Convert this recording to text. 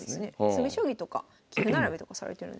詰将棋とか棋譜並べとかされてるんですかね。